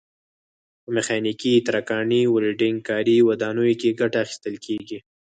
په میخانیکي، ترکاڼۍ، ولډنګ کاري، ودانیو کې ګټه اخیستل کېږي.